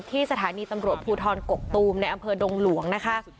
ที่สถานีตำรวจภูทรกกตูมในอำเภอดงหลวงนะคะ